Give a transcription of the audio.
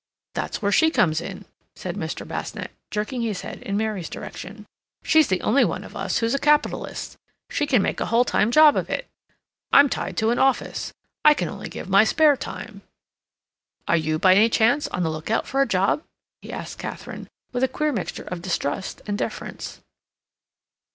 "That's where she comes in," said Mr. Basnett, jerking his head in Mary's direction. "She's the only one of us who's a capitalist. She can make a whole time job of it. I'm tied to an office; I can only give my spare time. Are you, by any chance, on the look out for a job?" he asked Katharine, with a queer mixture of distrust and deference.